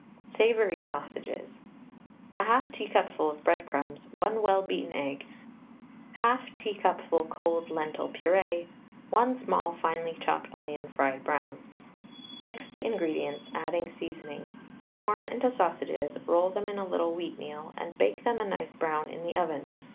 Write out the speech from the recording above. SAVOURY SAUSAGES. 1/2 teacupful of breadcrumbs, 1 well beaten egg, 1/2 teacupful cold lentil purée 1 small finely chopped onion tried brown. Mix the ingredients, adding seasoning. Form into sausages, roll them in a little wheatmeal, and bake them a nice brown in the oven.